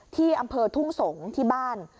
ที่อำเภอทุ่งสงศ์ที่บ้าน